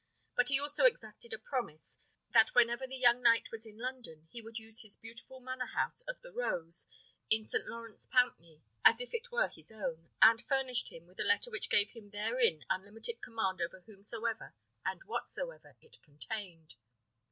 But he also exacted a promise, that whenever the young knight was in London, he would use his beautiful manor house of the Rose, in St. Lawrence Pountney, as if it were his own, and furnished him with a letter which gave him therein unlimited command over whomsoever and whatsoever it contained.